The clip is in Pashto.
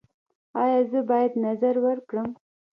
ایا زه باید نذر ورکړم؟